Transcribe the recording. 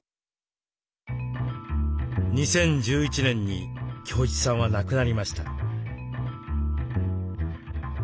２０１１年に京一さんは亡くなりました。